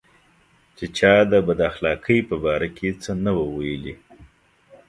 چې چا د بد اخلاقۍ په باره کې څه نه وو ویلي.